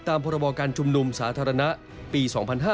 พรบการชุมนุมสาธารณะปี๒๕๕๙